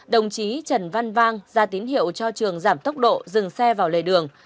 đồng chí trần văn vang ra tín hiệu cho trường giảm tốc độ dừng xe vào lề đường